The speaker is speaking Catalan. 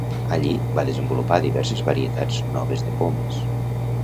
Allí va desenvolupar diverses varietats noves de pomes.